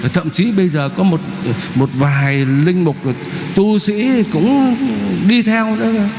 thậm chí bây giờ có một vài linh mục tu sĩ cũng đi theo nữa